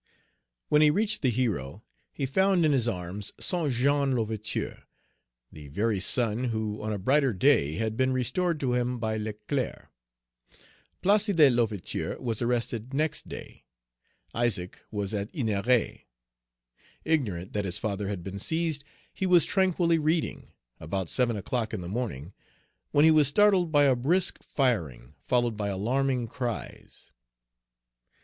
When he reached the Hero, he found in his arms St. Jean L'Ouverture, the very son, who, on a brighter day, had been restored to him by Leclerc. Placide L'Ouverture was arrested next day. Isaac was at Ennery. Ignorant that his father had been seized, he was tranquilly reading, about seven o'clock in the morning, when he was startled by a brisk firing, followed by alarming cries.